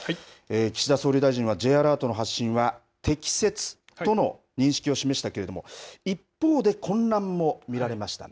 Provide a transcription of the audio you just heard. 岸田総理大臣はＪアラートの発信は適切との認識を示したけれども一方で混乱も見られましたね。